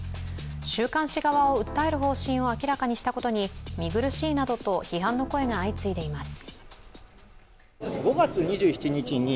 週刊誌側を訴える方針を明らかにしたことに、見苦しいなどと批判の声が相次いでいます。